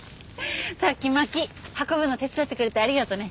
さっき薪運ぶの手伝ってくれてありがとね。